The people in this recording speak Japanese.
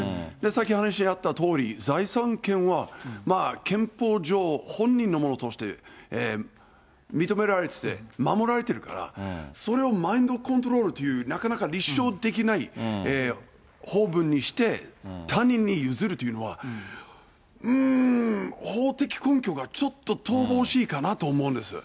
さっき話にあったとおり、財産権は、憲法上、本人のものとして認められてて、守られてるから、それをマインドコントロールという、なかなか立証できない法文にして、他人に譲るというのは、うーん、法的根拠がちょっと乏しいかなと思うんです。